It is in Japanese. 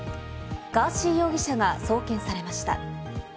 ガーシー容疑者が送検されました。